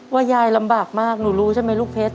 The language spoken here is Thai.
ยายลำบากมากหนูรู้ใช่ไหมลูกเพชร